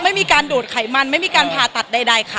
ไม่มีการดูดไขมันไม่มีการผ่าตัดใดค่ะ